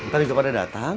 nanti kepada datang